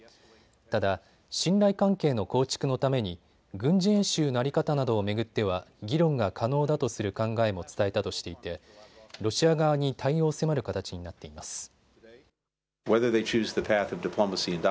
ただ、信頼関係の構築のために軍事演習の在り方などを巡っては議論が可能だとする考えも伝えたとしていてロシア側に対応を迫る形になっています。